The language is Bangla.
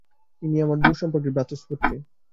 ইনি আমার দূরসম্পর্কের ভ্রাতুষ্পুত্রী।